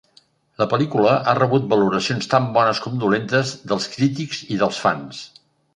La pel·lícula ha rebut valoracions tant bones com dolentes dels crítics i dels fans.